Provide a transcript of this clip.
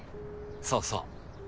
そうそう。